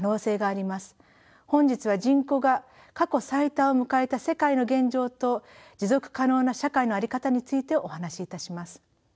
本日は人口が過去最多を迎えた世界の現状と持続可能な社会の在り方についてお話しいたします。